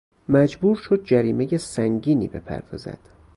مجبور شد جریمهی سنگینی بپردازد.